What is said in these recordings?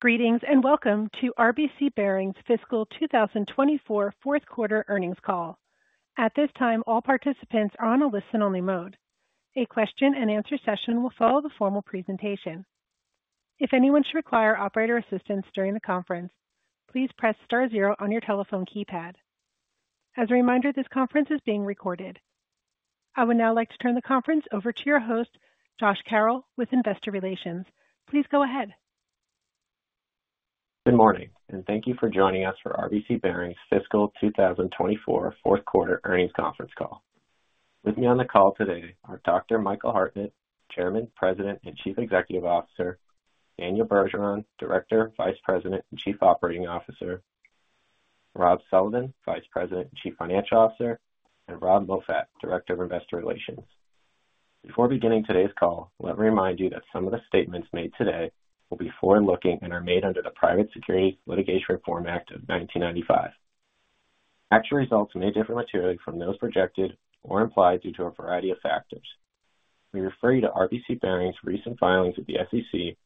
Greetings, and welcome to RBC Bearings Fiscal 2024 fourth quarter earnings call. At this time, all participants are on a listen-only mode. A question and answer session will follow the formal presentation. If anyone should require operator assistance during the conference, please press star zero on your telephone keypad. As a reminder, this conference is being recorded. I would now like to turn the conference over to your host, Josh Carroll, with Investor Relations. Please go ahead. Good morning, and thank you for joining us for RBC Bearings Fiscal 2024 fourth quarter earnings conference call. With me on the call today are Dr. Michael Hartnett, Chairman, President, and Chief Executive Officer; Daniel Bergeron, Director, Vice President, and Chief Operating Officer; Rob Sullivan, Vice President and Chief Financial Officer; and Rob Moffatt, Director of Investor Relations. Before beginning today's call, let me remind you that some of the statements made today will be forward-looking and are made under the Private Securities Litigation Reform Act of 1995. Actual results may differ materially from those projected or implied due to a variety of factors. We refer you to RBC Bearings' recent filings with the SEC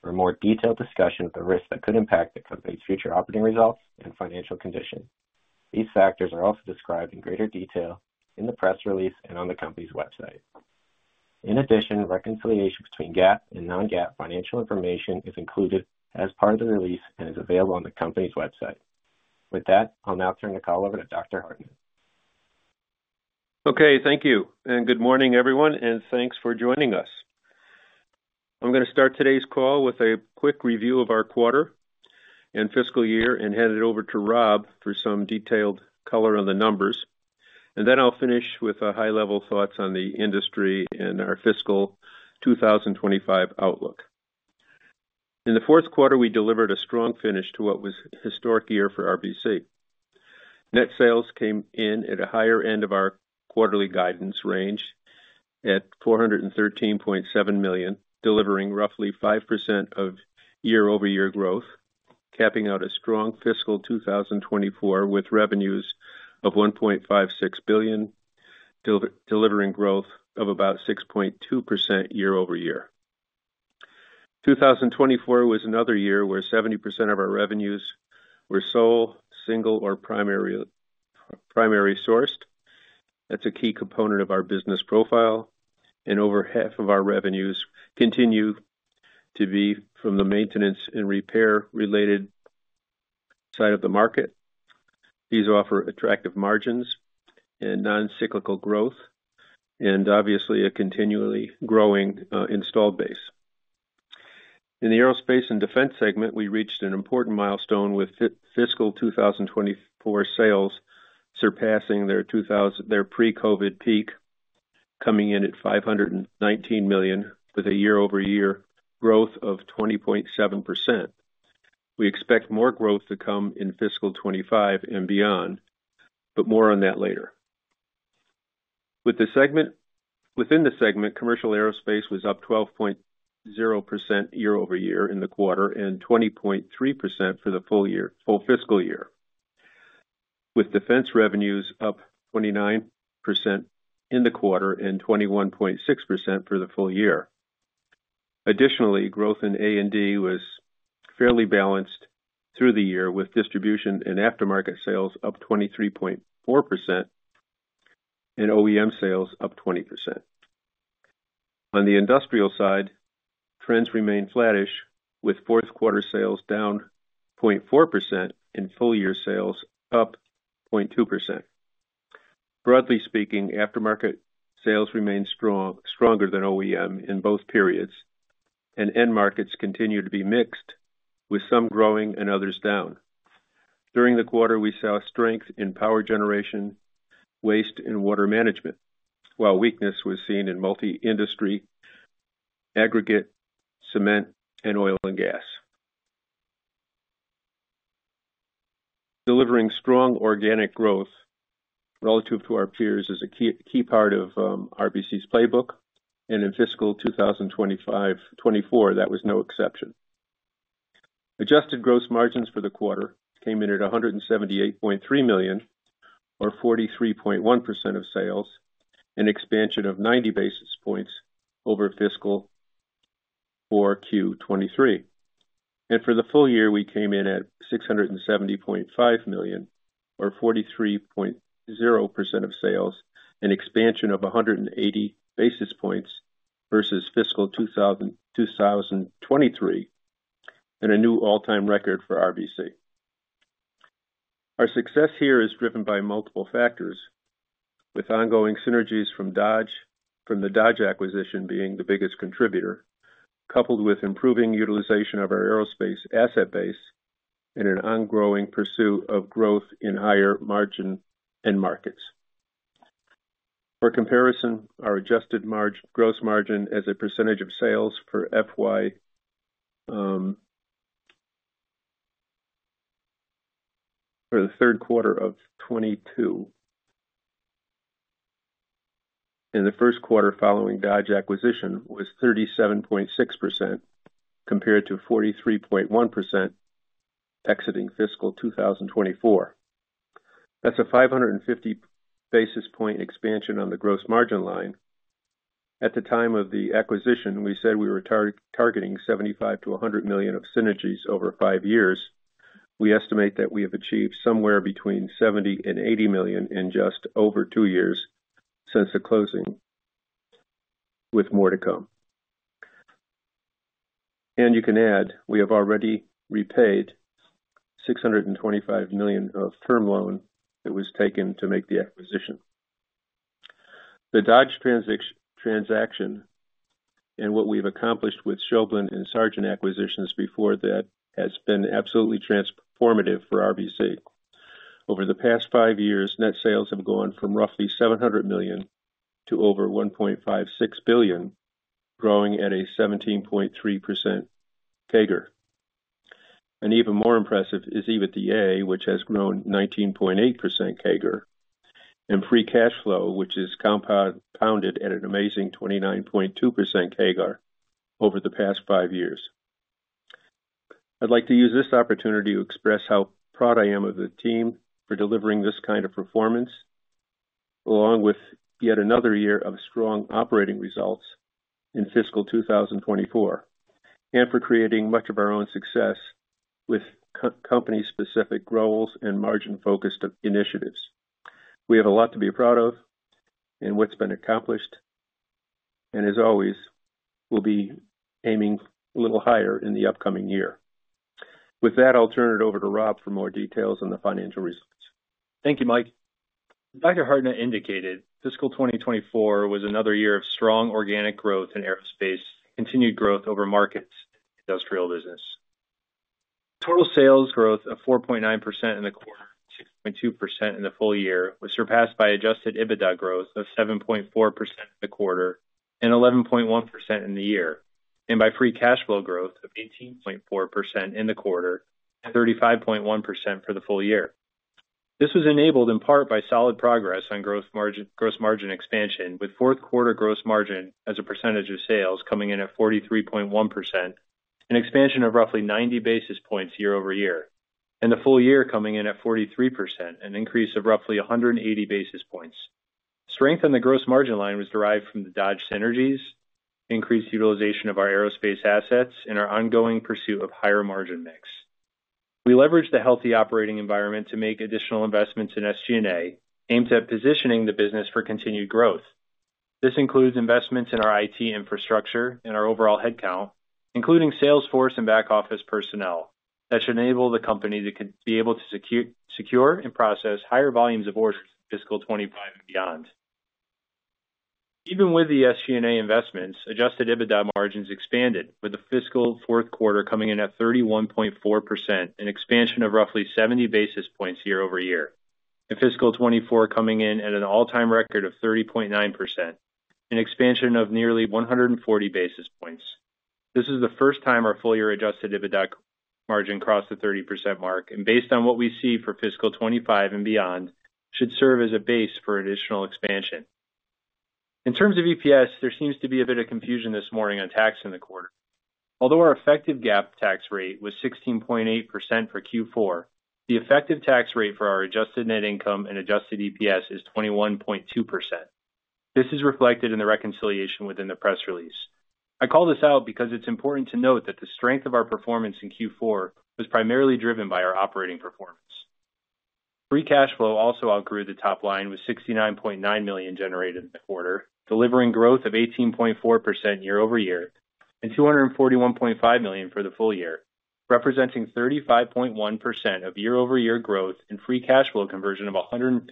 for a more detailed discussion of the risks that could impact the company's future operating results and financial condition. These factors are also described in greater detail in the press release and on the company's website. In addition, reconciliation between GAAP and non-GAAP financial information is included as part of the release and is available on the company's website. With that, I'll now turn the call over to Dr. Hartnett. Okay, thank you, and good morning, everyone, and thanks for joining us. I'm gonna start today's call with a quick review of our quarter and fiscal year and hand it over to Rob for some detailed color on the numbers. Then I'll finish with high-level thoughts on the industry and our fiscal 2025 outlook. In the fourth quarter, we delivered a strong finish to what was a historic year for RBC. Net sales came in at the higher end of our quarterly guidance range at $413.7 million, delivering roughly 5% year-over-year growth, capping out a strong fiscal 2024, with revenues of $1.56 billion, delivering growth of about 6.2% year-over-year. 2024 was another year where 70% of our revenues were sole, single, or primary sourced. That's a key component of our business profile, and over half of our revenues continue to be from the maintenance and repair-related side of the market. These offer attractive margins and non-cyclical growth and obviously a continually growing, installed base. In the aerospace and defense segment, we reached an important milestone with fiscal 2024 sales surpassing their pre-COVID peak, coming in at $519 million, with a year-over-year growth of 20.7%. We expect more growth to come in fiscal 2025 and beyond, but more on that later. With the segment, within the segment, commercial aerospace was up 12.0% year-over-year in the quarter and 20.3% for the full year, full fiscal year, with defense revenues up 29% in the quarter and 21.6% for the full year. Additionally, growth in A&D was fairly balanced through the year, with distribution and aftermarket sales up 23.4% and OEM sales up 20%. On the industrial side, trends remain flattish, with fourth quarter sales down 0.4% and full year sales up 0.2%. Broadly speaking, aftermarket sales remain strong, stronger than OEM in both periods, and end markets continue to be mixed, with some growing and others down. During the quarter, we saw strength in power generation, waste and water management, while weakness was seen in multi-industry, aggregates, cement, and oil and gas. Delivering strong organic growth relative to our peers is a key, key part of RBC's playbook, and in fiscal 2025, 2024, that was no exception. Adjusted gross margins for the quarter came in at $178.3 million, or 43.1% of sales, an expansion of 90 basis points over fiscal 4Q23. For the full year, we came in at $670.5 million, or 43.0% of sales, an expansion of 180 basis points versus fiscal 2023 and a new all-time record for RBC. Our success here is driven by multiple factors, with ongoing synergies from Dodge, from the Dodge acquisition being the biggest contributor, coupled with improving utilization of our aerospace asset base and an ongoing pursuit of growth in higher margin end markets. For comparison, our adjusted gross margin as a percentage of sales for FY... for the third quarter of 2022 and the first quarter following Dodge acquisition, was 37.6%, compared to 43.1% exiting fiscal 2024. That's a 550 basis point expansion on the gross margin line. At the time of the acquisition, we said we were targeting $75-$100 million of synergies over 5 years. We estimate that we have achieved somewhere between $70 million and $80 million in just over 2 years since the closing, with more to come. You can add, we have already repaid $625 million of term loan that was taken to make the acquisition. The Dodge transaction, and what we've accomplished with Schaublin and Sargent acquisitions before that, has been absolutely transformative for RBC. Over the past 5 years, net sales have gone from roughly $700 million to over $1.56 billion, growing at a 17.3% CAGR. Even more impressive is EBITDA, which has grown 19.8% CAGR, and free cash flow, which is compounded at an amazing 29.2% CAGR over the past 5 years. I'd like to use this opportunity to express how proud I am of the team for delivering this kind of performance, along with yet another year of strong operating results in fiscal 2024, and for creating much of our own success with company-specific roles and margin-focused initiatives. We have a lot to be proud of in what's been accomplished, and as always, we'll be aiming a little higher in the upcoming year. With that, I'll turn it over to Rob for more details on the financial results. Thank you, Mike. As Dr. Hartnett indicated, fiscal 2024 was another year of strong organic growth in aerospace, continued growth over markets, industrial business. Total sales growth of 4.9% in the quarter, 6.2% in the full year, was surpassed by adjusted EBITDA growth of 7.4% in the quarter and 11.1% in the year, and by free cash flow growth of 18.4% in the quarter and 35.1% for the full year. This was enabled in part by solid progress on growth margin, gross margin expansion, with fourth quarter gross margin as a percentage of sales coming in at 43.1%, an expansion of roughly 90 basis points year-over-year, and the full year coming in at 43%, an increase of roughly 180 basis points. Strength on the gross margin line was derived from the Dodge synergies, increased utilization of our aerospace assets, and our ongoing pursuit of higher margin mix. We leveraged the healthy operating environment to make additional investments in SG&A, aimed at positioning the business for continued growth. This includes investments in our IT infrastructure and our overall headcount, including sales force and back office personnel, that should enable the company to be able to secure and process higher volumes of orders for fiscal 2025 and beyond. Even with the SG&A investments, adjusted EBITDA margins expanded, with the fiscal fourth quarter coming in at 31.4%, an expansion of roughly 70 basis points year-over-year, and fiscal 2024 coming in at an all-time record of 30.9%, an expansion of nearly 140 basis points. This is the first time our full year adjusted EBITDA margin crossed the 30% mark, and based on what we see for fiscal 2025 and beyond, should serve as a base for additional expansion. In terms of EPS, there seems to be a bit of confusion this morning on tax in the quarter. Although our effective GAAP tax rate was 16.8% for Q4, the effective tax rate for our adjusted net income and adjusted EPS is 21.2%. This is reflected in the reconciliation within the press release. I call this out because it's important to note that the strength of our performance in Q4 was primarily driven by our operating performance. Free cash flow also outgrew the top line, with $69.9 million generated in the quarter, delivering growth of 18.4% year-over-year, and $241.5 million for the full year, representing 35.1% year-over-year growth and free cash flow conversion of 115%.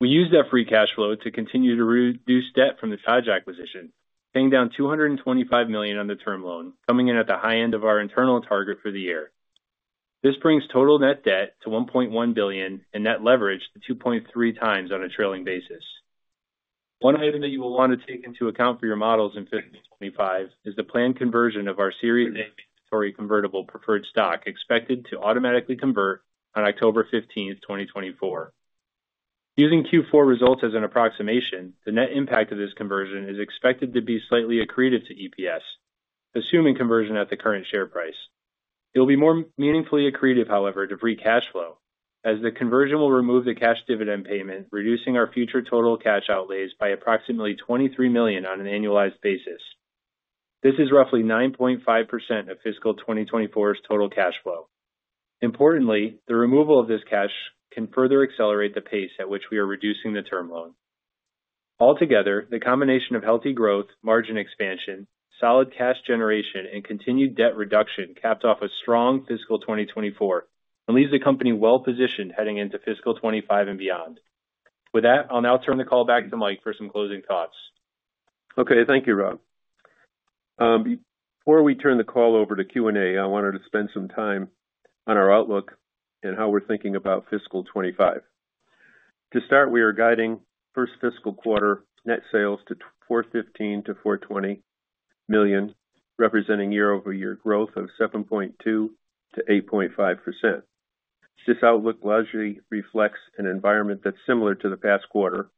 We used that free cash flow to continue to reduce debt from the Dodge acquisition, paying down $225 million on the term loan, coming in at the high end of our internal target for the year. This brings total net debt to $1.1 billion and net leverage to 2.3 times on a trailing basis. One item that you will want to take into account for your models in fiscal 25 is the planned conversion of our Series A inventory convertible preferred stock, expected to automatically convert on October 15th, 2024. Using Q4 results as an approximation, the net impact of this conversion is expected to be slightly accretive to EPS, assuming conversion at the current share price. It will be more meaningfully accretive, however, to free cash flow, as the conversion will remove the cash dividend payment, reducing our future total cash outlays by approximately $23 million on an annualized basis. This is roughly 9.5% of fiscal 2024's total cash flow. Importantly, the removal of this cash can further accelerate the pace at which we are reducing the term loan. Altogether, the combination of healthy growth, margin expansion, solid cash generation, and continued debt reduction capped off a strong fiscal 2024 and leaves the company well-positioned heading into fiscal 2025 and beyond. With that, I'll now turn the call back to Mike for some closing thoughts. Okay. Thank you, Rob. Before we turn the call over to Q&A, I wanted to spend some time on our outlook and how we're thinking about fiscal 2025. To start, we are guiding first fiscal quarter net sales to $415 million-$420 million, representing year-over-year growth of 7.2%-8.5%. This outlook largely reflects an environment that's similar to the past quarter,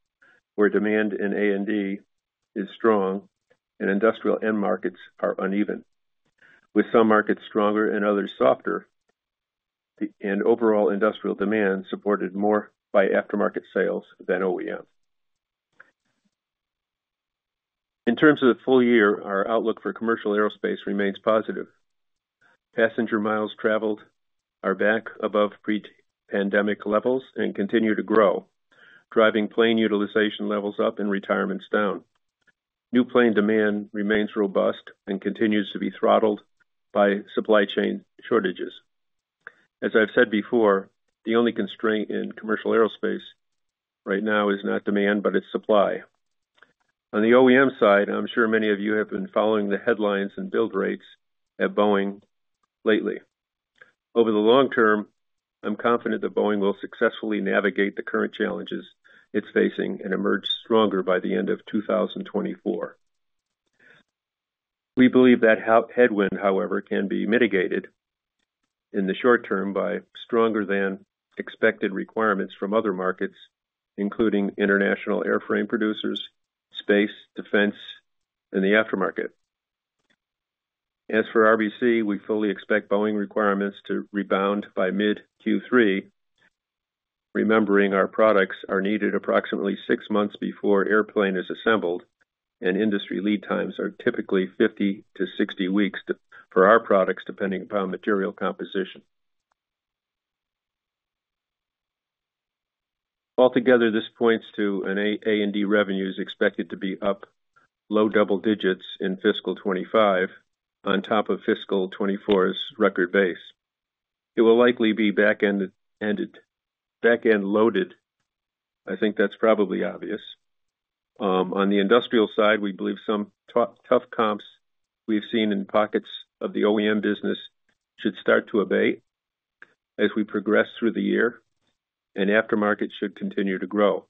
where demand in A&D is strong and industrial end markets are uneven... with some markets stronger and others softer, and overall industrial demand supported more by aftermarket sales than OEM. In terms of the full year, our outlook for commercial aerospace remains positive. Passenger miles traveled are back above pre-pandemic levels and continue to grow, driving plane utilization levels up and retirements down. New plane demand remains robust and continues to be throttled by supply chain shortages. As I've said before, the only constraint in commercial aerospace right now is not demand, but it's supply. On the OEM side, I'm sure many of you have been following the headlines and build rates at Boeing lately. Over the long term, I'm confident that Boeing will successfully navigate the current challenges it's facing and emerge stronger by the end of 2024. We believe that headwind, however, can be mitigated in the short term by stronger than expected requirements from other markets, including international airframe producers, space, defense, and the aftermarket. As for RBC, we fully expect Boeing requirements to rebound by mid-Q3, remembering our products are needed approximately six months before airplane is assembled, and industry lead times are typically 50-60 weeks for our products, depending upon material composition. Altogether, this points to an A&D revenue is expected to be up low double digits in fiscal 2025, on top of fiscal 2024's record base. It will likely be back-end loaded. I think that's probably obvious. On the industrial side, we believe some tough comps we've seen in pockets of the OEM business should start to abate as we progress through the year, and aftermarket should continue to grow.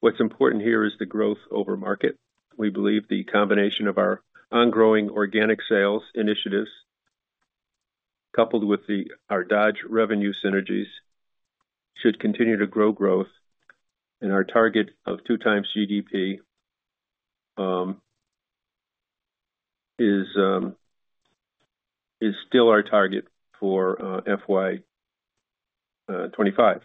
What's important here is the growth over market. We believe the combination of our ongoing organic sales initiatives, coupled with our Dodge revenue synergies, should continue to grow growth, and our target of 2x GDP is still our target for FY 2025.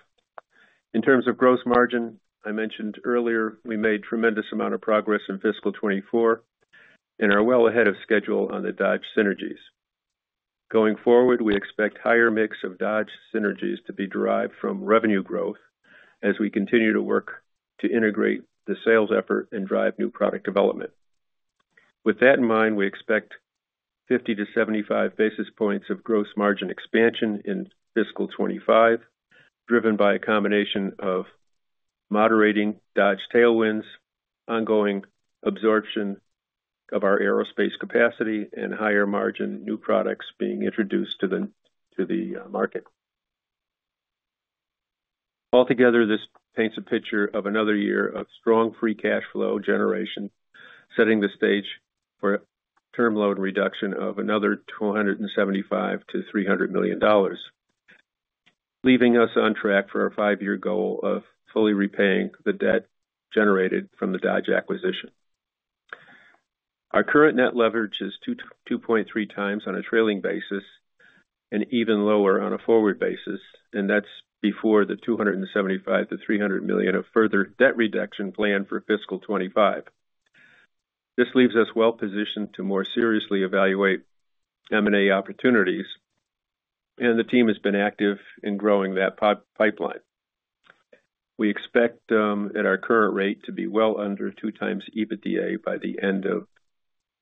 In terms of gross margin, I mentioned earlier, we made tremendous amount of progress in fiscal 2024 and are well ahead of schedule on the Dodge synergies. Going forward, we expect higher mix of Dodge synergies to be derived from revenue growth as we continue to work to integrate the sales effort and drive new product development. With that in mind, we expect 50-75 basis points of gross margin expansion in fiscal 2025, driven by a combination of moderating Dodge tailwinds, ongoing absorption of our aerospace capacity, and higher margin new products being introduced to the market. Altogether, this paints a picture of another year of strong free cash flow generation, setting the stage for term loan reduction of another $275 million-$300 million, leaving us on track for our five-year goal of fully repaying the debt generated from the Dodge acquisition. Our current net leverage is 2, 2.3 times on a trailing basis and even lower on a forward basis, and that's before the $275 million-$300 million of further debt reduction planned for fiscal 2025. This leaves us well positioned to more seriously evaluate M&A opportunities, and the team has been active in growing that pipeline. We expect, at our current rate, to be well under 2x EBITDA by the end of FY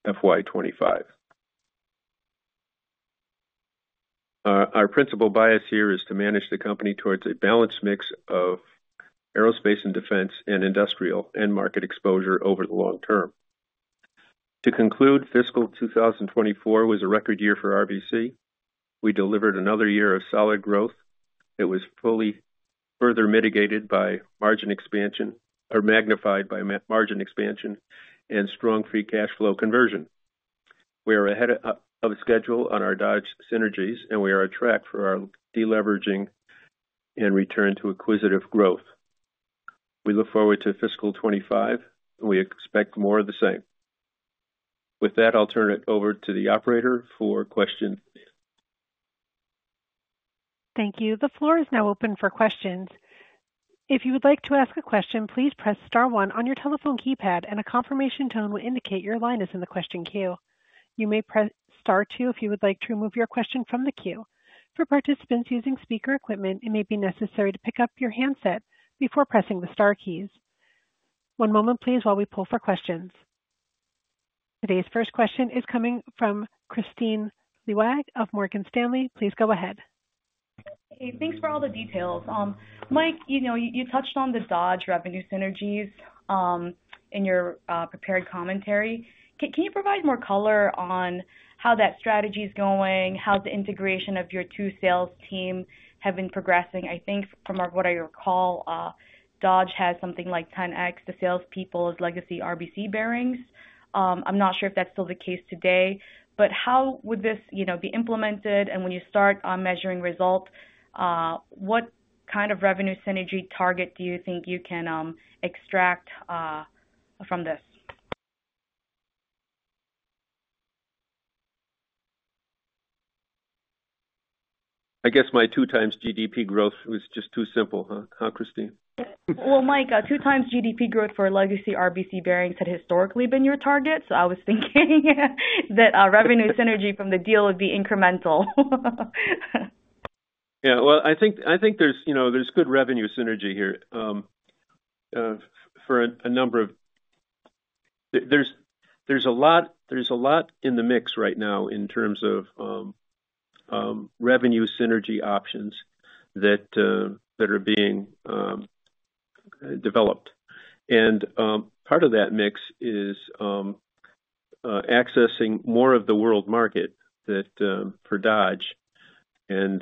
2025. Our principal bias here is to manage the company towards a balanced mix of aerospace and defense and industrial end market exposure over the long term. To conclude, fiscal 2024 was a record year for RBC. We delivered another year of solid growth that was fully further mitigated by margin expansion, or magnified by margin expansion and strong free cash flow conversion. We are ahead of schedule on our Dodge synergies, and we are on track for our deleveraging and return to acquisitive growth. We look forward to fiscal 25, and we expect more of the same. With that, I'll turn it over to the operator for questions. Thank you. The floor is now open for questions. If you would like to ask a question, please press star one on your telephone keypad, and a confirmation tone will indicate your line is in the question queue. You may press star two if you would like to remove your question from the queue. For participants using speaker equipment, it may be necessary to pick up your handset before pressing the star keys. One moment, please, while we pull for questions. Today's first question is coming from Kristine Liwag of Morgan Stanley. Please go ahead. Hey, thanks for all the details. Mike, you know, you touched on the Dodge Revenue synergies in your prepared commentary. Can you provide more color on how that strategy is going? How the integration of your two sales team have been progressing? I think from what I recall, Dodge has something like 10x the salespeople's legacy RBC Bearings. I'm not sure if that's still the case today, but how would this, you know, be implemented? And when you start measuring results, what kind of revenue synergy target do you think you can extract from this. I guess my two times GDP growth was just too simple, huh? Huh, Christine? Well, Mike, two times GDP growth for legacy RBC Bearings had historically been your target, so I was thinking that revenue synergy from the deal would be incremental. Yeah. Well, I think there's, you know, there's good revenue synergy here for a number of-- There's a lot in the mix right now in terms of revenue synergy options that are being developed. And part of that mix is accessing more of the world market for Dodge and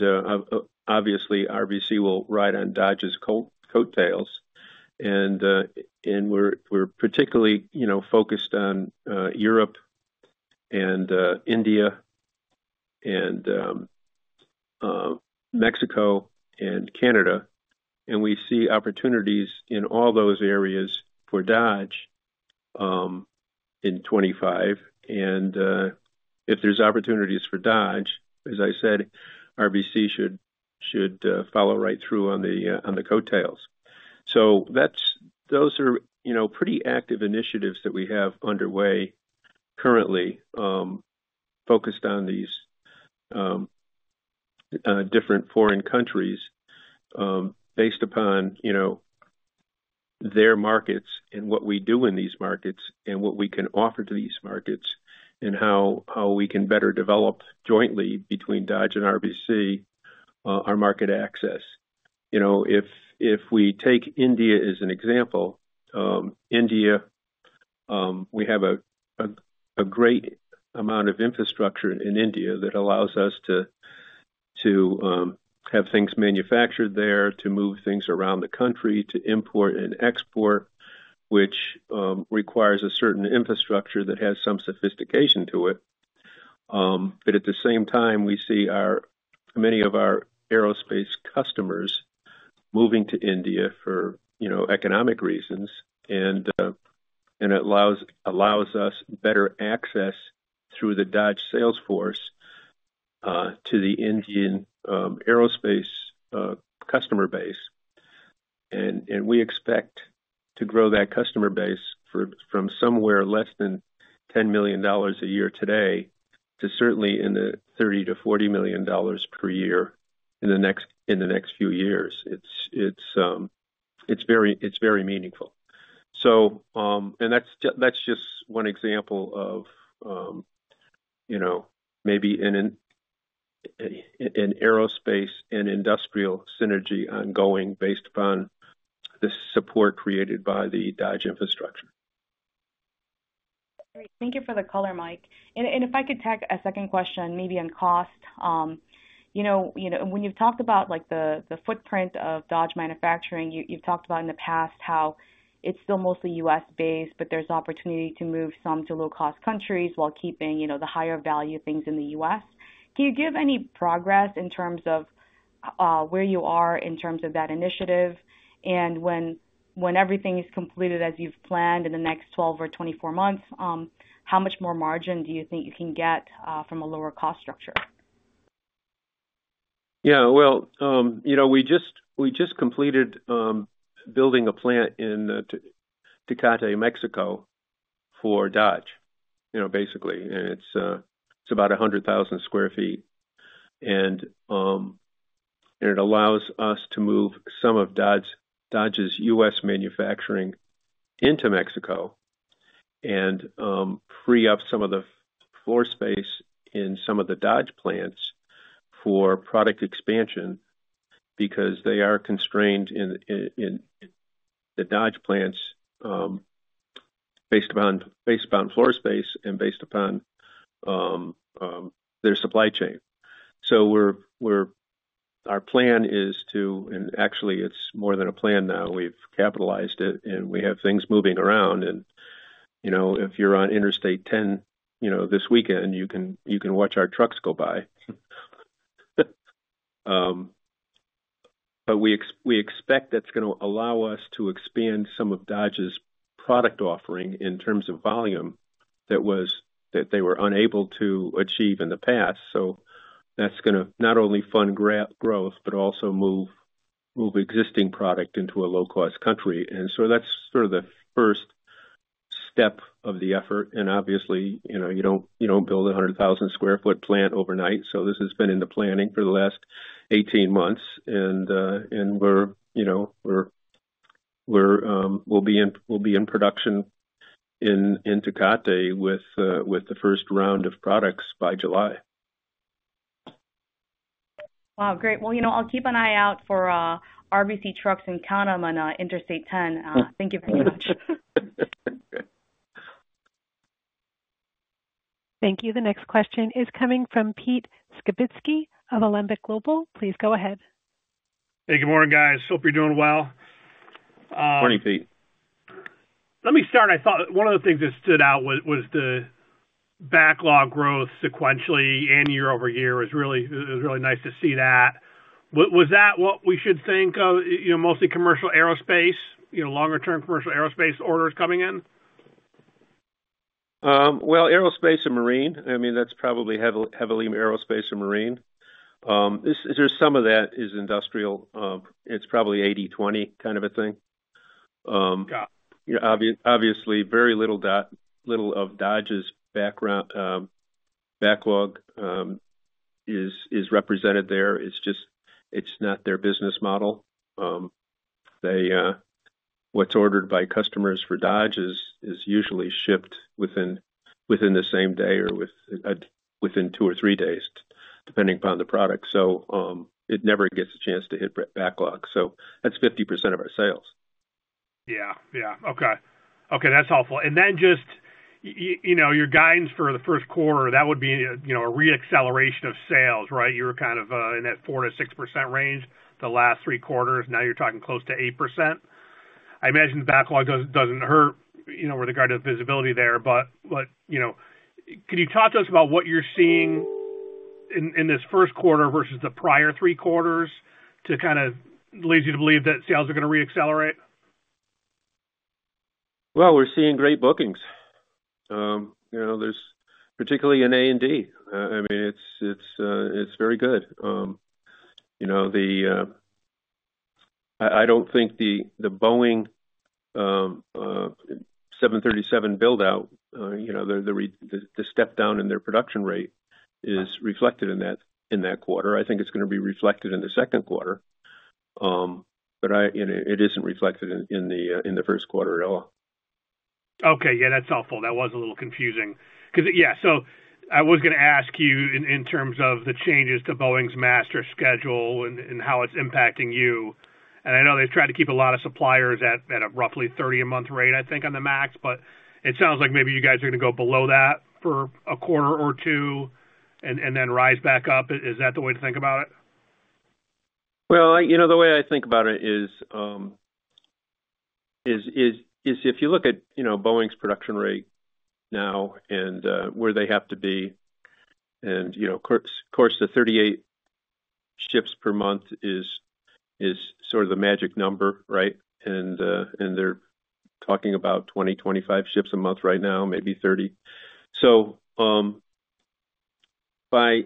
obviously, RBC will ride on Dodge's coattails. And we're particularly, you know, focused on Europe and India and Mexico and Canada, and we see opportunities in all those areas for Dodge in 25. And if there's opportunities for Dodge, as I said, RBC should follow right through on the coattails. So that's... Those are, you know, pretty active initiatives that we have underway currently, focused on these different foreign countries, based upon, you know, their markets and what we do in these markets and what we can offer to these markets, and how, how we can better develop jointly between Dodge and RBC, our market access. You know, if, if we take India as an example, India, we have a great amount of infrastructure in India that allows us to have things manufactured there, to move things around the country, to import and export, which requires a certain infrastructure that has some sophistication to it. But at the same time, we see our many of our aerospace customers moving to India for, you know, economic reasons, and it allows us better access through the Dodge sales force to the Indian aerospace customer base. And we expect to grow that customer base from somewhere less than $10 million a year today, to certainly $30-$40 million per year in the next few years. It's very meaningful. So, and that's just one example of, you know, maybe in an aerospace and industrial synergy ongoing, based upon the support created by the Dodge infrastructure. Great. Thank you for the color, Mike. And if I could tack a second question, maybe on cost. You know, you know, when you've talked about, like, the footprint of Dodge manufacturing, you've talked about in the past how it's still mostly U.S.-based, but there's opportunity to move some to low-cost countries while keeping, you know, the higher value things in the U.S. Can you give any progress in terms of where you are in terms of that initiative? And when everything is completed, as you've planned in the next 12 or 24 months, how much more margin do you think you can get from a lower cost structure? Yeah. Well, you know, we just completed building a plant in Tecate, Mexico, for Dodge, you know, basically. And it's about 100,000 sq ft. And it allows us to move some of Dodge's US manufacturing into Mexico and free up some of the floor space in some of the Dodge plants for product expansion, because they are constrained in the Dodge plants based upon floor space and based upon their supply chain. So our plan is to... And actually, it's more than a plan now. We've capitalized it, and we have things moving around. And, you know, if you're on Interstate 10, you know, this weekend, you can watch our trucks go by. But we expect that's gonna allow us to expand some of Dodge's product offering in terms of volume that they were unable to achieve in the past. So that's gonna not only fund growth, but also move existing product into a low-cost country. And so that's sort of the first step of the effort. And obviously, you know, you don't build a 100,000 sq ft plant overnight, so this has been in the planning for the last 18 months. And we're, you know, we'll be in production in Tecate with the first round of products by July. Wow, great! Well, you know, I'll keep an eye out for RBC trucks and count them on Interstate Ten. Thank you very much. Thank you. The next question is coming from Pete Skibitski of Alembic Global. Please go ahead. Hey, good morning, guys. Hope you're doing well. Morning, Pete. Let me start. I thought one of the things that stood out was the backlog growth sequentially and year-over-year is really, it's really nice to see that. Was that what we should think of, you know, mostly commercial aerospace, you know, longer term commercial aerospace orders coming in? Well, aerospace and marine, I mean, that's probably heavily aerospace and marine. There's some of that is industrial. It's probably 80/20 kind of a thing. Got it. Yeah, obviously, very little of Dodge's backlog is represented there. It's just, it's not their business model. What's ordered by customers for Dodge is usually shipped within the same day or within two or three days, depending upon the product. So, it never gets a chance to hit backlog. So that's 50% of our sales. Yeah, yeah. Okay. Okay, that's helpful. And then just, you know, your guidance for the first quarter, that would be, you know, a re-acceleration of sales, right? You were kind of in that 4%-6% range the last three quarters, now you're talking close to 8%. I imagine the backlog doesn't hurt, you know, with regard to the visibility there, but, you know, can you talk to us about what you're seeing in this first quarter versus the prior three quarters to kind of leads you to believe that sales are going to re-accelerate? Well, we're seeing great bookings. You know, there's particularly in A and D. I mean, it's very good. You know, I don't think the Boeing 737 build out, you know, the step down in their production rate is reflected in that quarter. I think it's gonna be reflected in the second quarter. But it isn't reflected in the first quarter at all. Okay. Yeah, that's helpful. That was a little confusing. 'Cause, yeah, so I was gonna ask you in terms of the changes to Boeing's master schedule and how it's impacting you. And I know they've tried to keep a lot of suppliers at a roughly 30 a month rate, I think, on the MAX, but it sounds like maybe you guys are gonna go below that for a quarter or two and then rise back up. Is that the way to think about it? Well, you know, the way I think about it is if you look at, you know, Boeing's production rate now and where they have to be, and, you know, of course, the 38 ships per month is sort of the magic number, right? And they're talking about 20, 25 ships a month right now, maybe 30. So, by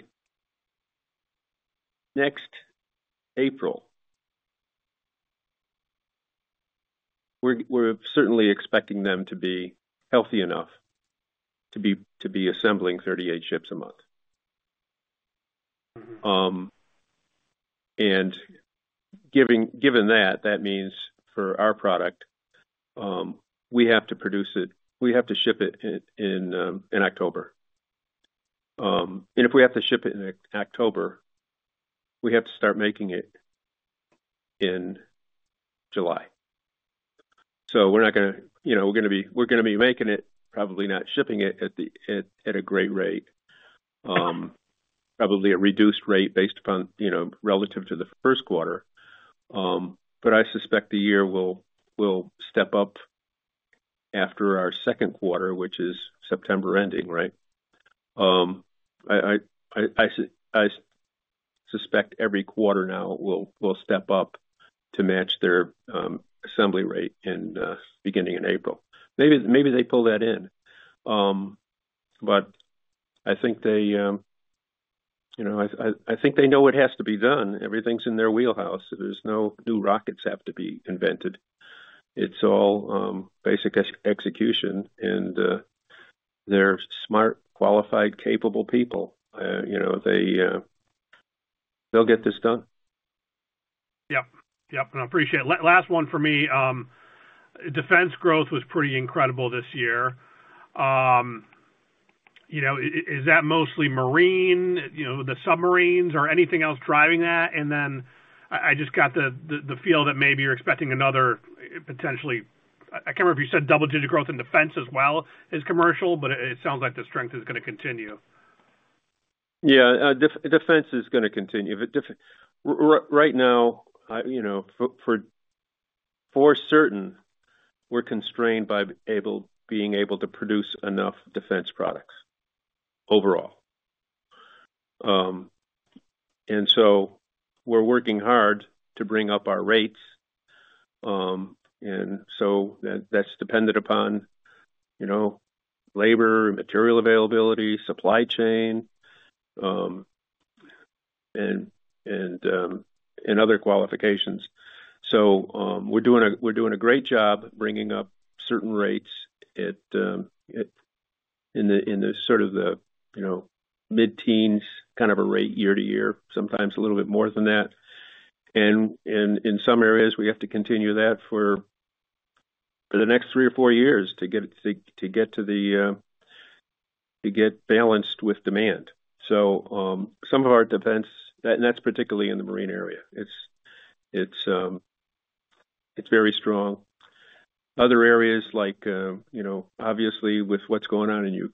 next April, we're certainly expecting them to be healthy enough to be assembling 38 ships a month. Mm-hmm. Given that, that means for our product, we have to produce it, we have to ship it in October. And if we have to ship it in October, we have to start making it in July. So we're not gonna, you know, we're gonna be making it, probably not shipping it at a great rate. Probably a reduced rate based upon, you know, relative to the first quarter. But I suspect the year will step up after our second quarter, which is September ending, right? I suspect every quarter now will step up to match their assembly rate beginning in April. Maybe they pull that in. But I think they, you know, I think they know what has to be done. Everything's in their wheelhouse. There's no new rockets have to be invented. It's all basic execution, and they're smart, qualified, capable people. You know, they'll get this done. Yep. Yep, and I appreciate it. Last one for me. Defense growth was pretty incredible this year. You know, is that mostly marine, you know, the submarines or anything else driving that? And then I just got the feel that maybe you're expecting another, potentially... I can't remember if you said double-digit growth in defense as well as commercial, but it sounds like the strength is gonna continue. Yeah, defense is gonna continue. But right now, you know, for certain, we're constrained by being able to produce enough defense products overall. And so we're working hard to bring up our rates. And so that, that's dependent upon, you know, labor, material availability, supply chain, and other qualifications. So, we're doing a great job bringing up certain rates at, in the sort of the, you know, mid-teens kind of a rate year to year, sometimes a little bit more than that. And in some areas, we have to continue that for the next three or four years to get it to, to get to the, to get balanced with demand. So, some of our defense, and that's particularly in the marine area. It's very strong. Other areas like, you know, obviously, with what's going on in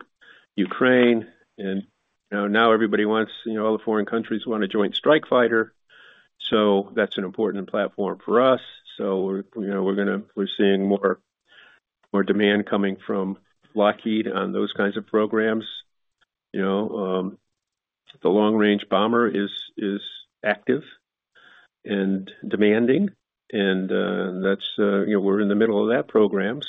Ukraine, and, you know, now everybody wants, you know, all the foreign countries want a joint strike fighter. So that's an important platform for us. So we're, you know, gonna—we're seeing more demand coming from Lockheed on those kinds of programs. You know, the long-range bomber is active and demanding, and, that's, you know, we're in the middle of that program.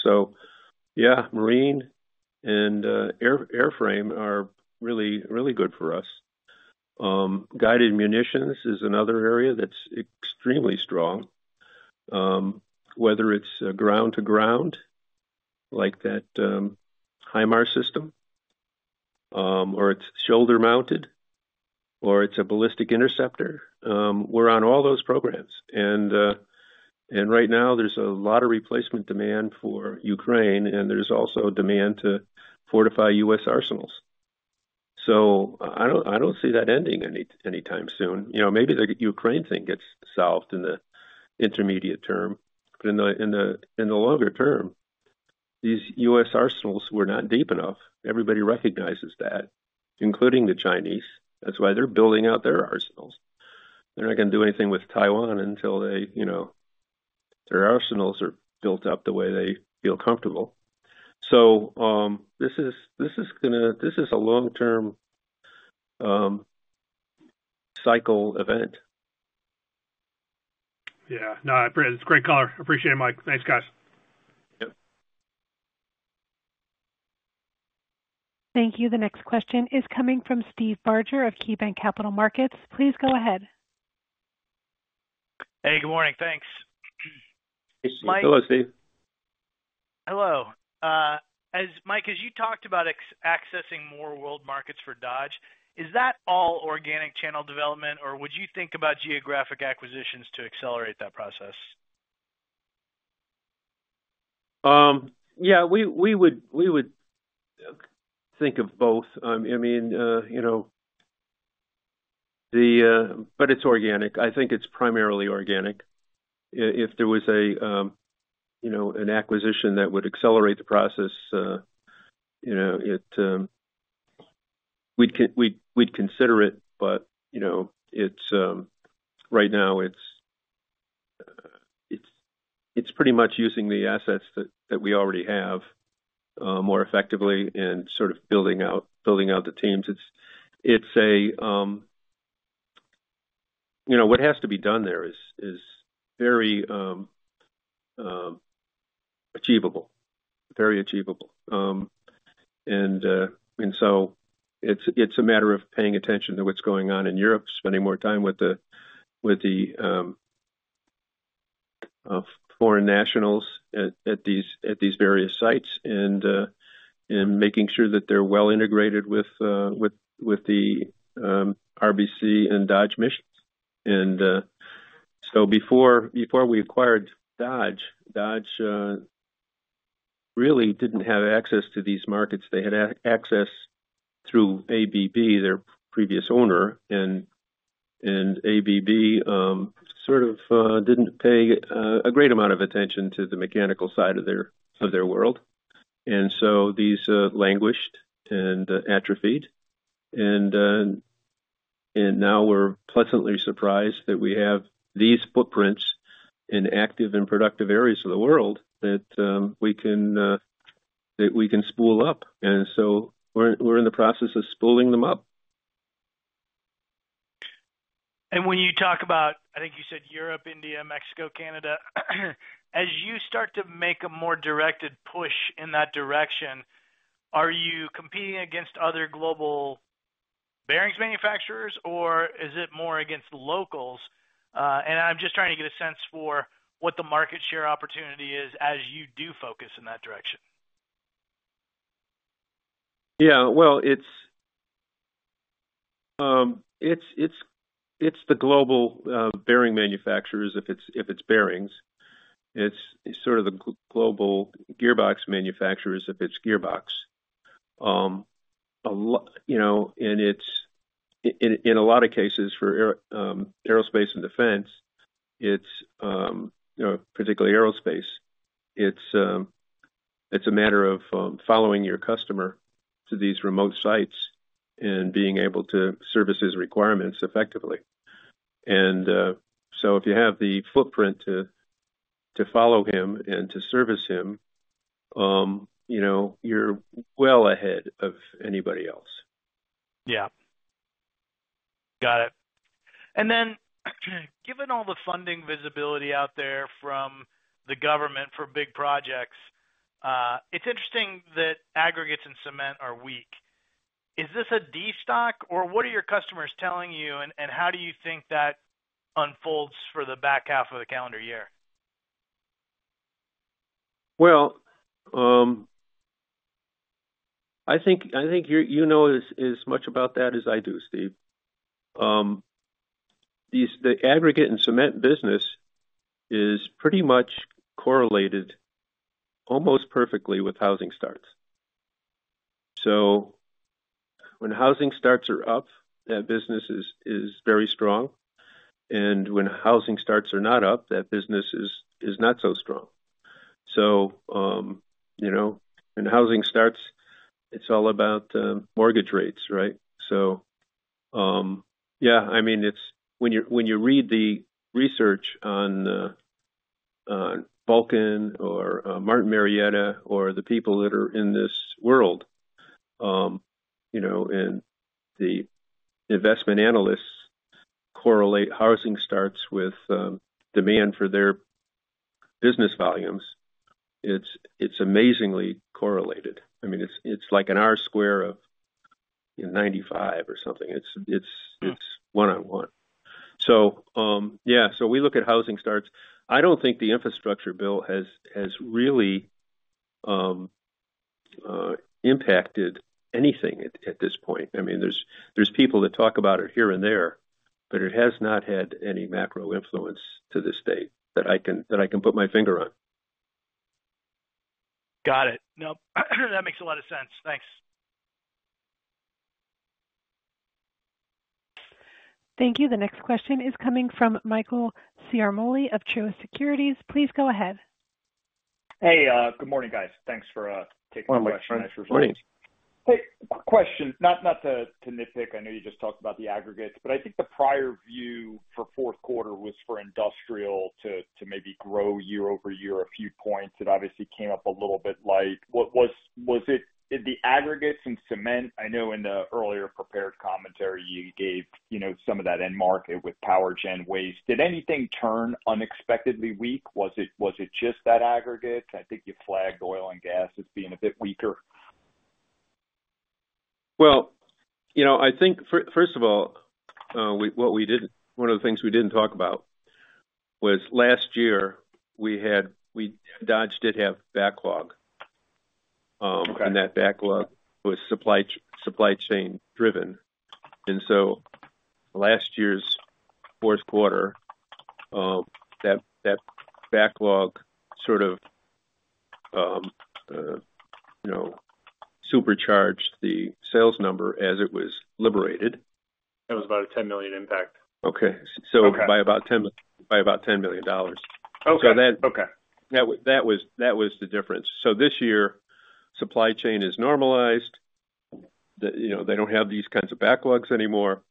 So yeah, marine and airframe are really good for us. Guided munitions is another area that's extremely strong. Whether it's ground-to-ground, like that, HIMARS system, or it's shoulder-mounted, or it's a ballistic interceptor, we're on all those programs. Right now, there's a lot of replacement demand for Ukraine, and there's also a demand to fortify U.S. arsenals. So I don't see that ending anytime soon. You know, maybe the Ukraine thing gets solved in the intermediate term, but in the longer term, these U.S. arsenals were not deep enough. Everybody recognizes that, including the Chinese. That's why they're building out their arsenals. They're not gonna do anything with Taiwan until they, you know, their arsenals are built up the way they feel comfortable. So, this is gonna, this is a long-term cycle event. Yeah. No, I appreciate it. It's a great call. I appreciate it, Mike. Thanks, guys. Yep. Thank you. The next question is coming from Steve Barger of KeyBanc Capital Markets. Please go ahead. Hey, good morning. Thanks. Hey, Steve. Hello, Steve. Hello. As Mike, as you talked about accessing more world markets for Dodge, is that all organic channel development, or would you think about geographic acquisitions to accelerate that process? Yeah, we would think of both. I mean, you know, but it's organic. I think it's primarily organic. If there was, you know, an acquisition that would accelerate the process, you know, it, we'd consider it, but, you know, it's right now, it's pretty much using the assets that we already have more effectively and sort of building out the teams. It's a, you know, what has to be done there is very achievable. Very achievable. And so it's a matter of paying attention to what's going on in Europe, spending more time with the foreign nationals at these various sites, and making sure that they're well integrated with the RBC and Dodge missions. And so before we acquired Dodge, Dodge really didn't have access to these markets. They had access through ABB, their previous owner, and ABB sort of didn't pay a great amount of attention to the mechanical side of their world. And so these languished and atrophied. And now we're pleasantly surprised that we have these footprints in active and productive areas of the world that we can spool up. And so we're in the process of spooling them up. When you talk about, I think you said Europe, India, Mexico, Canada, as you start to make a more directed push in that direction, are you competing against other global bearings manufacturers, or is it more against locals? I'm just trying to get a sense for what the market share opportunity is as you do focus in that direction. Yeah, well, it's the global bearing manufacturers if it's bearings. It's sort of the global gearbox manufacturers if it's gearbox. You know, and it's in a lot of cases for air, aerospace and defense, it's you know, particularly aerospace, it's a matter of following your customer to these remote sites and being able to service his requirements effectively. And so if you have the footprint to follow him and to service him, you know, you're well ahead of anybody else. Yeah. Got it. And then given all the funding visibility out there from the government for big projects, it's interesting that aggregates and cement are weak. Is this a destock, or what are your customers telling you, and how do you think that unfolds for the back half of the calendar year? Well, I think you're, you know, as much about that as I do, Steve. The aggregate and cement business is pretty much correlated almost perfectly with housing starts. So when housing starts are up, that business is very strong, and when housing starts are not up, that business is not so strong. So, you know, when housing starts, it's all about mortgage rates, right? So, yeah, I mean, it's when you read the research on Vulcan or Martin Marietta or the people that are in this world, you know, and the investment analysts correlate housing starts with demand for their business volumes, it's amazingly correlated. I mean, it's like an R square of 95 or something. It's one-on-one. So, yeah, so we look at housing starts. I don't think the infrastructure bill has really impacted anything at this point. I mean, there's people that talk about it here and there, but it has not had any macro influence to this date that I can put my finger on. Got it. Nope, that makes a lot of sense. Thanks. Thank you. The next question is coming from Michael Ciarmoli of Truist Securities. Please go ahead. Hey, good morning, guys. Thanks for taking my question. Good morning. Hey, question, not to nitpick. I know you just talked about the aggregates, but I think the prior view for fourth quarter was for industrial to maybe grow year-over-year a few points. It obviously came up a little bit like... What was it, did the aggregates and cement, I know in the earlier prepared commentary you gave, you know, some of that end market with power gen waste. Did anything turn unexpectedly weak? Was it just that aggregate? I think you flagged oil and gas as being a bit weaker. Well, you know, I think first of all, one of the things we didn't talk about was last year. We had. Dodge did have backlog. Okay. That backlog was supply chain driven. So last year's fourth quarter, that backlog sort of, you know, supercharged the sales number as it was liberated. That was about a $10 million impact. Okay. Okay. By about 10, by about $10 million. Okay. So that- Okay. That was, that was the difference. So this year, supply chain is normalized. You know, they don't have these kinds of backlogs anymore.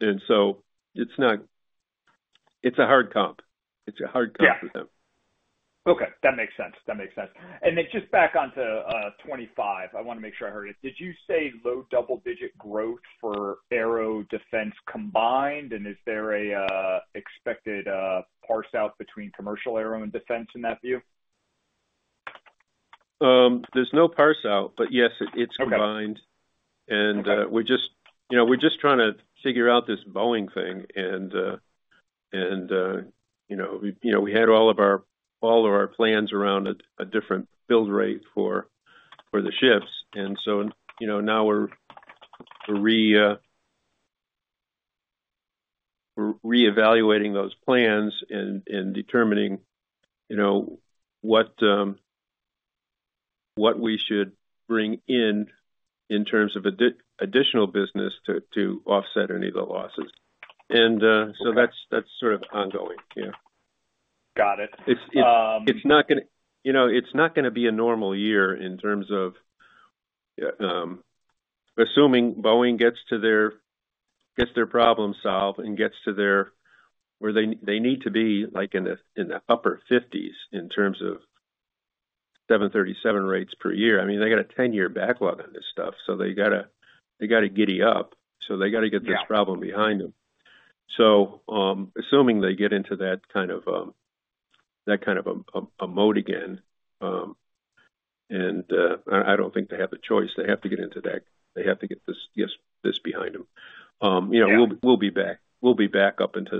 And so it's not... It's a hard comp. It's a hard comp for them. Yeah. Okay, that makes sense. That makes sense. And then just back onto, 25, I wanna make sure I heard it. Did you say low double-digit growth for aero defense combined? And is there a, expected, parse out between commercial aero and defense in that view? There's no parse out, but yes, it's combined. Okay. And, we're just, you know, we're just trying to figure out this Boeing thing and, you know, we had all of our plans around a different build rate for the ships. And so, you know, now we're reevaluating those plans and determining what we should bring in in terms of additional business to offset any of the losses. Okay. That's, that's sort of ongoing. Yeah. Got it. It's not gonna... You know, it's not gonna be a normal year in terms of assuming Boeing gets their problem solved and gets to where they need to be, like, in the upper 50s in terms of 737 rates per year. I mean, they got a 10-year backlog on this stuff, so they gotta giddy up, so they gotta get- Yeah... this problem behind them. So, assuming they get into that kind of, that kind of a mode again, and, I don't think they have a choice. They have to get into that. They have to get this, yes, this behind them. Yeah. You know, we'll be back. We'll be back up into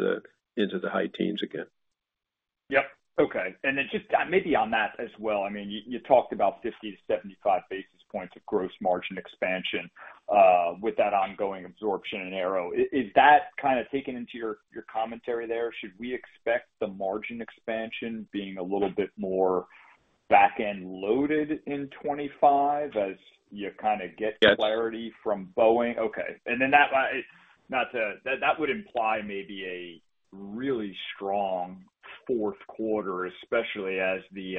the high teens again. Yep. Okay. And then just, maybe on that as well, I mean, you, you talked about 50-75 basis points of gross margin expansion, with that ongoing absorption in aero. Is, is that kind of taken into your, your commentary there? Should we expect the margin expansion being a little bit more back-end loaded in 2025 as you kind of get- Yes... clarity from Boeing? Okay. And then that would imply maybe a really strong fourth quarter, especially as the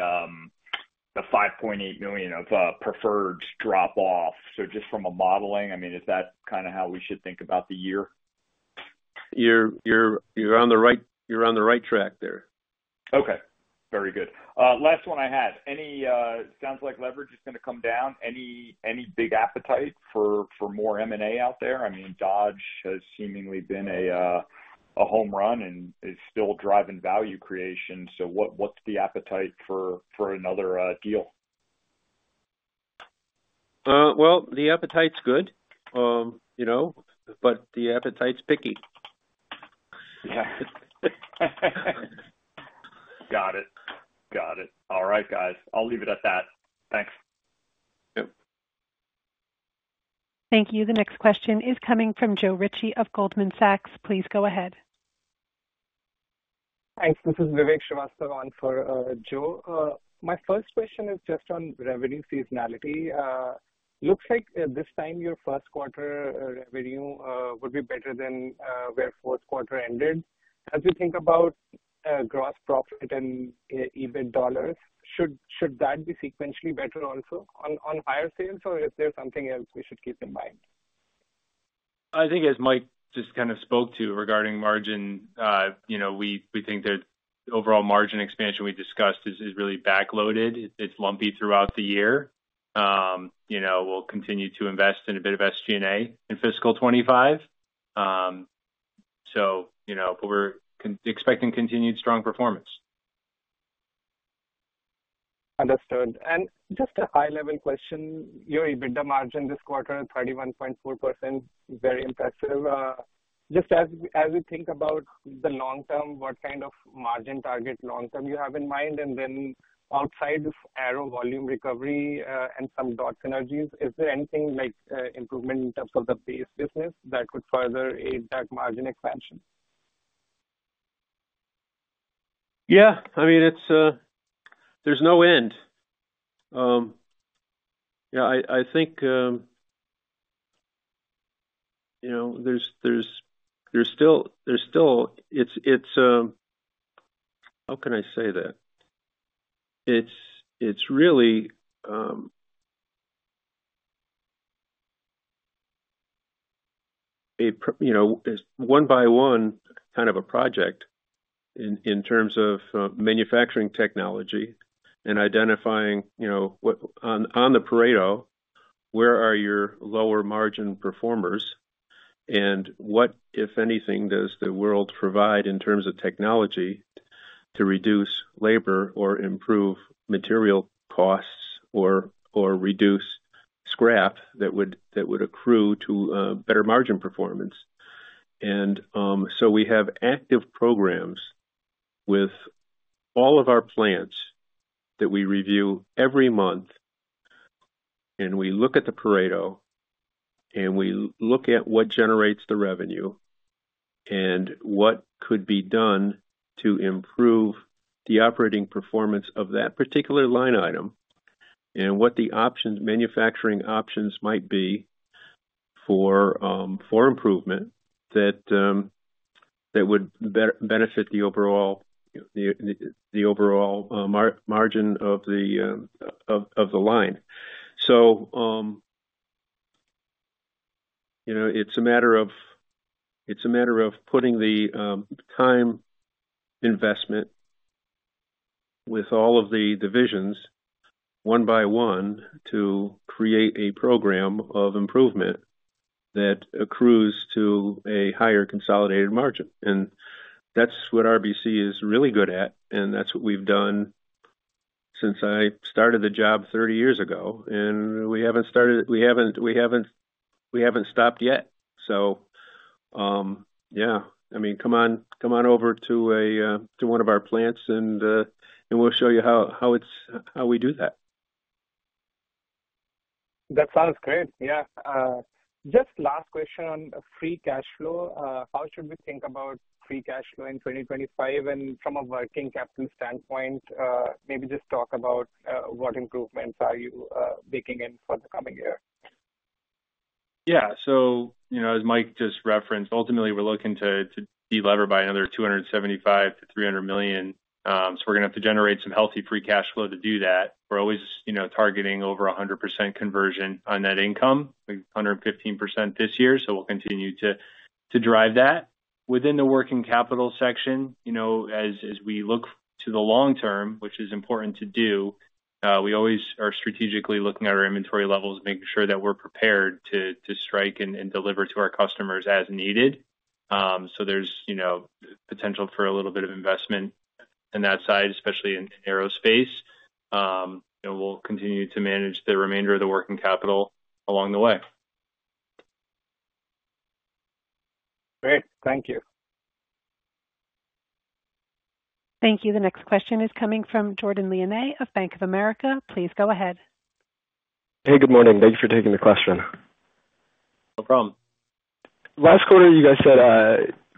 $5.8 million of preferred drop off. So just from a modeling, I mean, is that kind of how we should think about the year? You're on the right track there. Okay, very good. Last one I had: Sounds like leverage is gonna come down. Any big appetite for more M&A out there? I mean, Dodge has seemingly been a home run and is still driving value creation. So what's the appetite for another deal? Well, the appetite's good, you know, but the appetite's picky. Yeah. Got it. Got it. All right, guys, I'll leave it at that. Thanks. Yep. Thank you. The next question is coming from Joe Ritchie of Goldman Sachs. Please go ahead. Thanks. This is Vivek Srivastava on for Joe. My first question is just on revenue seasonality. Looks like this time, your first quarter revenue will be better than where fourth quarter ended. As you think about gross profit and EBIT dollars, should that be sequentially better also on higher sales, or is there something else we should keep in mind? I think as Mike just kind of spoke to regarding margin, you know, we think that overall margin expansion we discussed is really backloaded. It's lumpy throughout the year. You know, we'll continue to invest in a bit of SG&A in fiscal 2025. So, you know, but we're expecting continued strong performance. Understood. And just a high-level question, your EBITDA margin this quarter is 31.4%, very impressive. Just as we think about the long term, what kind of margin target long term you have in mind? And then outside of aero volume recovery and some cost synergies, is there anything like improvement in terms of the base business that could further aid that margin expansion? Yeah, I mean, it's, there's no end. Yeah, I think, you know, there's still—it's, it's... how can I say that? It's really a—you know, one by one kind of a project in terms of manufacturing technology and identifying, you know, what—on the Pareto, where are your lower margin performers? And what, if anything, does the world provide in terms of technology to reduce labor or improve material costs or reduce scrap that would accrue to better margin performance? So we have active programs with all of our plants that we review every month, and we look at the Pareto, and we look at what generates the revenue and what could be done to improve the operating performance of that particular line item, and what the options, manufacturing options, might be for improvement that would benefit the overall margin of the line. So, you know, it's a matter of putting the time investment with all of the divisions, one by one, to create a program of improvement that accrues to a higher consolidated margin. That's what RBC is really good at, and that's what we've done since I started the job 30 years ago, and we haven't stopped yet. So, yeah, I mean, come on over to one of our plants, and we'll show you how we do that. That sounds great. Yeah. Just last question on free cash flow. How should we think about free cash flow in 2025 and from a working capital standpoint, maybe just talk about what improvements are you baking in for the coming year? Yeah. So, you know, as Mike just referenced, ultimately, we're looking to delever by another $275 million-$300 million. So we're gonna have to generate some healthy free cash flow to do that. We're always, you know, targeting over 100% conversion on net income, like 115% this year, so we'll continue to drive that. Within the working capital section, you know, as we look to the long term, which is important to do, we always are strategically looking at our inventory levels, making sure that we're prepared to strike and deliver to our customers as needed. So there's, you know, potential for a little bit of investment in that side, especially in aerospace. And we'll continue to manage the remainder of the working capital along the way. Great. Thank you. Thank you. The next question is coming from Jordan Lyonnais of Bank of America. Please go ahead. Hey, good morning. Thank you for taking the question. No problem. Last quarter, you guys said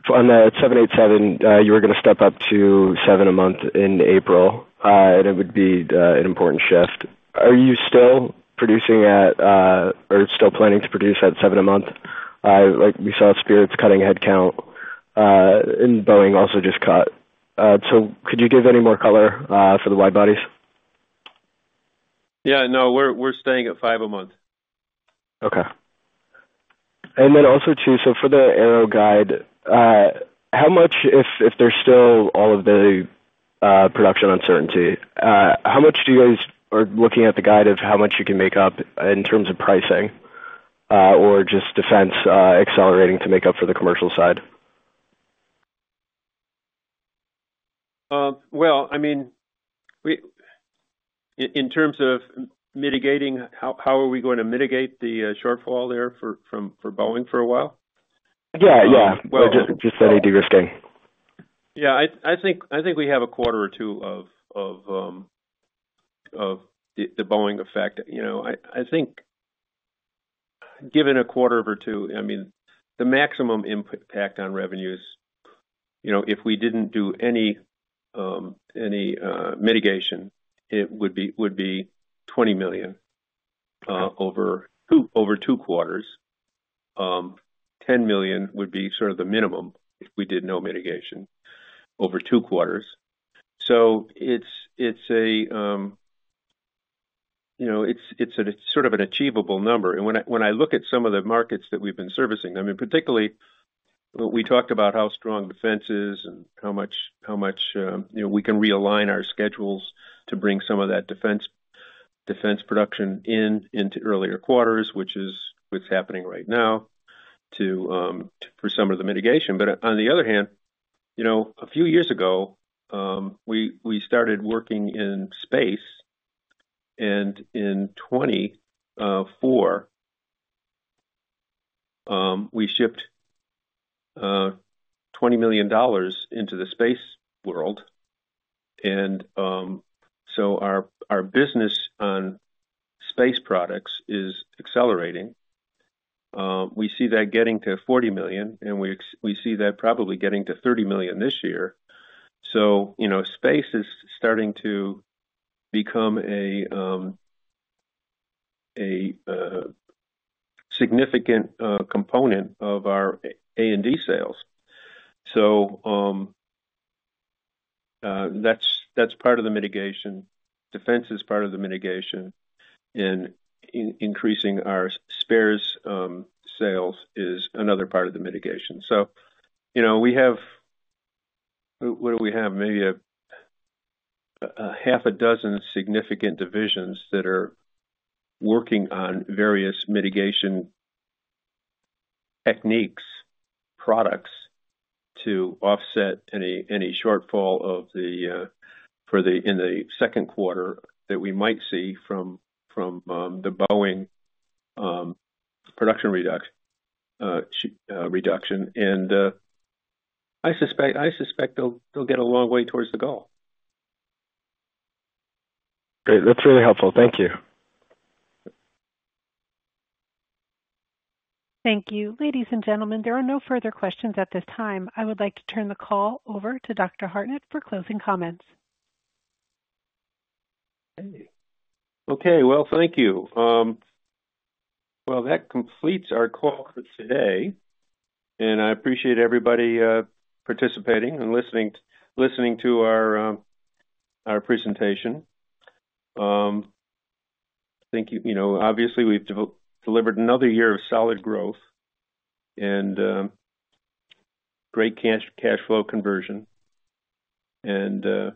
on that 787 you were gonna step up to 7 a month in April, and it would be an important shift. Are you still producing at or still planning to produce at 7 a month? Like, we saw Spirit's cutting headcount, and Boeing also just cut. So could you give any more color for the wide-bodies? Yeah, no, we're, we're staying at 5 a month. Okay. And then also, too, so for the aero guide, how much, if there's still all of the production uncertainty, how much do you guys are looking at the guide of how much you can make up in terms of pricing, or just defense accelerating to make up for the commercial side? Well, I mean, in terms of mitigating, how are we going to mitigate the shortfall there for Boeing for a while? Yeah, yeah. Well- Just so de-risking. Yeah, I think we have a quarter or two of the Boeing effect. You know, I think given a quarter or two, I mean, the maximum input impact on revenues, you know, if we didn't do any mitigation, it would be $20 million over two quarters. $10 million would be sort of the minimum if we did no mitigation over two quarters. So it's a sort of an achievable number. And when I, when I look at some of the markets that we've been servicing, I mean, particularly we talked about how strong defense is and how much, how much, you know, we can realign our schedules to bring some of that defense, defense production in into earlier quarters, which is what's happening right now, to, for some of the mitigation. But on the other hand, you know, a few years ago, we, we started working in space, and in 2024, we shipped $20 million into the space world. And, so our, our business on space products is accelerating. We see that getting to $40 million, and we see that probably getting to $30 million this year. So, you know, space is starting to become a significant component of our A&D sales. So, that's part of the mitigation. Defense is part of the mitigation, and increasing our spares sales is another part of the mitigation. So, you know, we have what do we have? Maybe a half a dozen significant divisions that are working on various mitigation techniques, products to offset any shortfall of the for the in the second quarter that we might see from the Boeing production reduction. I suspect they'll get a long way toward the goal. Great. That's really helpful. Thank you. Thank you. Ladies and gentlemen, there are no further questions at this time. I would like to turn the call over to Dr. Hartnett for closing comments. Okay. Well, thank you. Well, that completes our call for today, and I appreciate everybody participating and listening to our presentation. Thank you. You know, obviously, we've delivered another year of solid growth and great cash flow conversion, and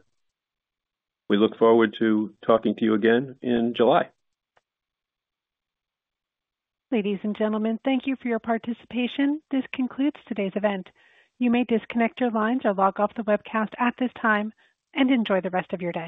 we look forward to talking to you again in July. Ladies and gentlemen, thank you for your participation. This concludes today's event. You may disconnect your lines or log off the webcast at this time, and enjoy the rest of your day.